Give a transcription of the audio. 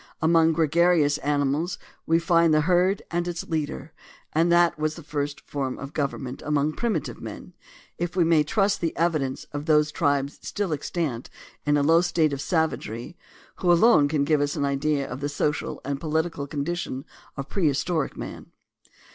Among gregarious animals we find the herd and its leader, and that was the first form of government among primitive men, if we may trust the evidence of those tribes still extant in a low state of savagery who alone can give us an idea of the social and political condition of prehis toric man.